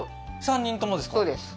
そうです